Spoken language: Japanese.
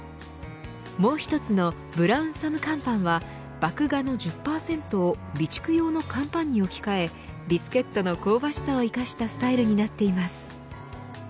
もう一つのＢｒｏｗｎＴｈｕｍｂＫａｎｐａｎは麦芽の１０％を備蓄用の乾パンに置き換えビスケットの香ばしさを生かしたスタイルになっています。